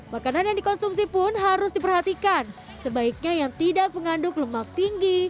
makanan yang dikonsumsi pun harus diperhatikan sebaiknya yang tidak mengandung lemak tinggi